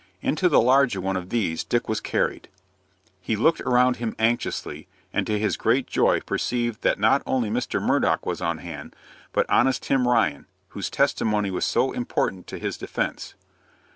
Into the larger one of these Dick was carried. He looked around him anxiously, and to his great joy perceived that not only Mr. Murdock was on hand, but honest Tim Ryan, whose testimony was so important to his defence.